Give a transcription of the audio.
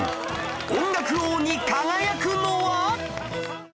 音楽王に輝くのは？